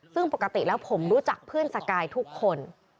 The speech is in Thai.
ซึ่งปกติแล้วผมรู้จักเพื่อนสกายทุกคน